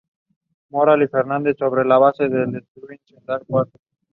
The house was later inherited by his son.